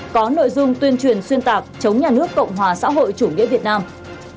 có nội dung tuyên truyền xuyên tạc chống nhà nước cộng hòa xã hội chủ nghĩa việt nam